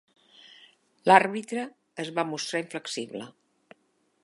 L'àrbitre es va mostrar inflexible.